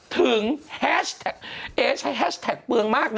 แฮชแท็กเอใช้แฮชแท็กเปลืองมากนะ